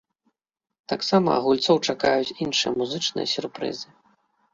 Таксама гульцоў чакаюць іншыя музычныя сюрпрызы.